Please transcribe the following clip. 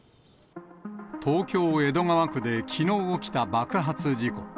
東京・江戸川区できのう起きた爆発事故。